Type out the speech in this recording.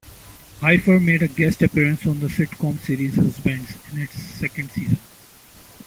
Phifer made a guest appearance on the sitcom series "Husbands" in its second season.